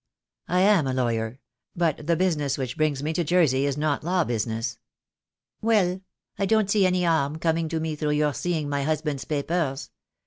"I am a lawyer; but the business which brings me to Jersey is not law business." "Well j I don't see how any harm can come to me through your seeing my husband's papers.